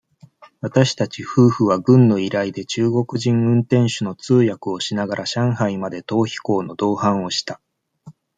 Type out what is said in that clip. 私たち夫婦は、軍の依頼で、中国人運転手の通訳をしながら、上海まで、逃避行の同伴をした。